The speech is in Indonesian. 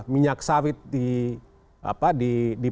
minyak sawit di